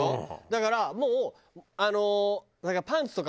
だからもう。